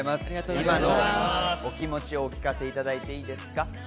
今のお気持ちをお聞かせいただいていいですか？